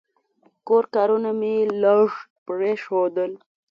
کور کارونه مې لږ پرېښودل.